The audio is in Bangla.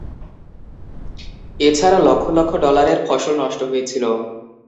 এছাড়া, লক্ষ লক্ষ ডলারের ফসল নষ্ট হয়েছিল।